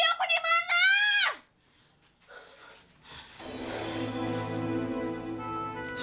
opi bunyi aku di mana